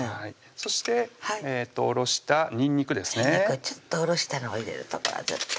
そしておろしたにんにくですねちょっとおろしたのを入れると絶対コクになりますね